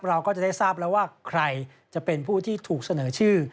เราก็จะได้ทราบแล้วว่าใครจะเป็นผู้ที่ถูกเสนอชื่อ